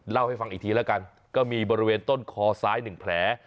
เล่าให้ฟังอีกทีแล้วกันก็มีบริเวณต้นคอซ้าย๑แผล